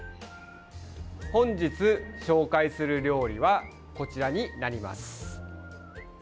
本日ご紹介する料理はこちらになります。